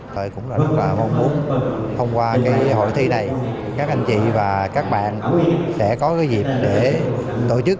tôi cũng là mong muốn thông qua hội thi này các anh chị và các bạn sẽ có dịp để tổ chức